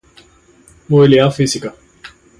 movilidad física